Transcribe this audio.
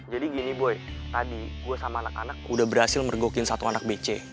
jadi gini boy tadi gue sama anak anak udah berhasil mergokin satu anak bc